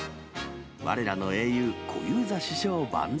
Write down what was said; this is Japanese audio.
われらの英雄、小遊三師匠万歳。